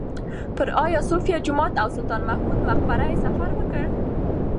پر ایا صوفیه جومات او سلطان محمود مقبره یې سفر وکړ.